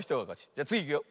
じゃつぎいくよ。